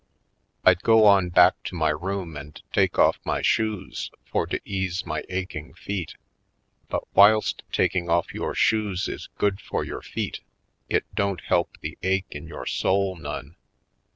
I'd go on back to my room and take ofif my shoes for to ease my aching feet; but whilst taking off your shoes is good for your feet it don't help the ache in your soul none.